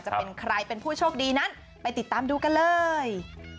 จะเป็นใครเป็นผู้โชคดีนั้นไปติดตามดูกันเลย